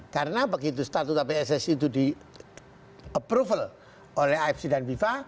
karena begitu statuta pssi itu di approval oleh afc dan viva